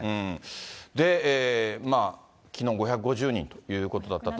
で、きのう５５０人ということだったと。